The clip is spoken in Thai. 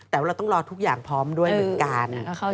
แต่ว่าเราต้องรอทุกอย่างพร้อมด้วยเหมือนกัน